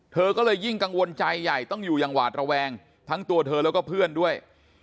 เธอก็เลยยิ่งกังวลใจใหญ่ต้องอยู่อย่างหวาดระแวงทั้งตัวเธอแล้วก็เพื่อนด้วย